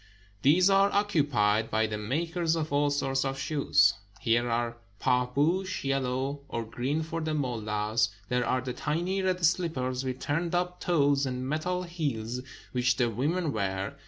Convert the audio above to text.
These are occupied by the makers of all sorts of shoes. Here are paJibousk, yellow, or green for the mullahs; there are the tiny red slippers with turned up toes and metal heels which the women wear.